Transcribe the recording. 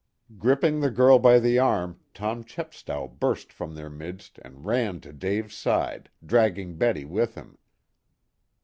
Gripping the girl by the arm Tom Chepstow burst from their midst and ran to Dave's side, dragging Betty with him.